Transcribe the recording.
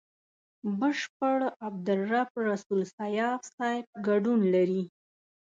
بشپړ عبدالرب رسول سياف صاحب ګډون لري.